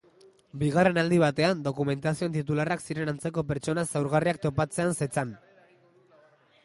Bigarren aldi batean, dokumentazioen titularrak ziren antzeko pertsona zaurgarriak topatzean zetzan.